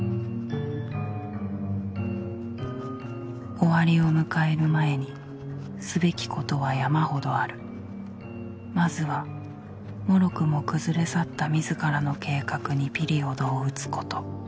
終わりを迎える前にすべきことは山ほどあるまずは脆くも崩れ去った自らの計画にピリオドを打つこと。